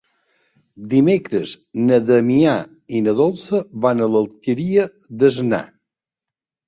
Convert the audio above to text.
Dimecres na Damià i na Dolça van a l'Alqueria d'Asnar.